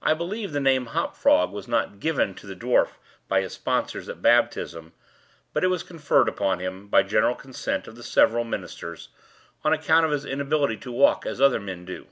I believe the name "Hop Frog" was not that given to the dwarf by his sponsors at baptism, but it was conferred upon him, by general consent of the seven ministers, on account of his inability to walk as other men do.